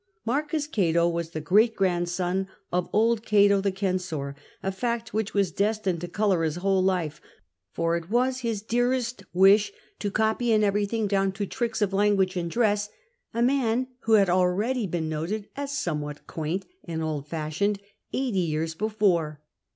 M. Oato was the great grandson of old Cato the censor, a fact which was destined to colour his whole life, for it was his dearest wish to copy in everything, clown to tricks of language and dress, a man who had already been noted as somewhat quaint and old fashioned eighty years before.